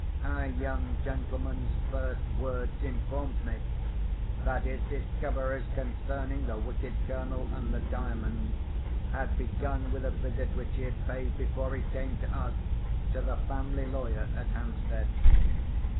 Our young gentleman's first words informed me that his discoveries, concerning the wicked Colonel and the Diamond, had begun with a visit which he had paid (before he came to us) to the family lawyer, at Hampstead.